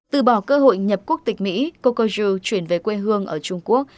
từ bỏ cơ hội nhập quốc tịch mỹ cô koju chuyển về quê hương ở trung quốc